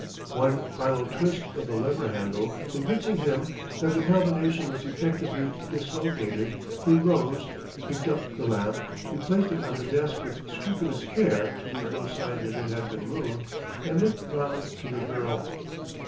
One final twist of the lever handle convincing him that the combination was effectively dislocated, he rose, picked up the lamp, replaced it on the desk with scrupulous care to leave no sign that it had been moved, and looked round to the girl.